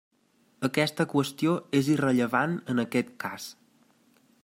Aquesta qüestió és irrellevant en aquest cas.